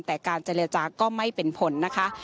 แต่การเจรจาก็ไม่เป็นผลนะคะ